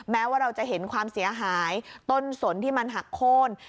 แม้ว่าเราจะเห็นความเสียหายต้นสนที่มันหักโค้น